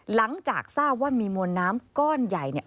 หลังจากทราบว่ามีมวลน้ำก้อนใหญ่เนี่ย